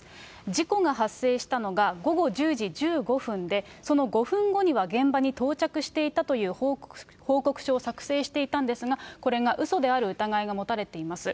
事故が発生したのが午後１０時１５分で、その５分後には現場に到着していたという報告書を作成していたんですが、これがうそである疑いが持たれています。